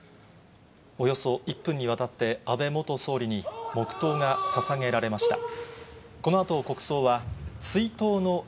およそ１分にわたって、安倍元総理に黙とうがささげられました。